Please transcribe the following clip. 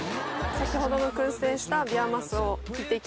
先ほどの燻製したビワマスを切っていきます。